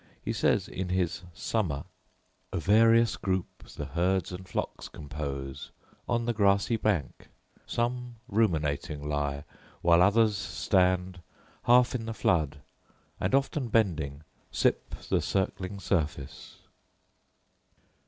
He says, in his Summer: A various group the herds and flocks compose: … on the grassy bank Some ruminating lie; while others stand Half in the flood, and, often bending, sip The circling surface.